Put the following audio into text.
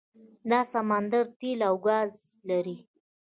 دا سمندر تیل او ګاز لري.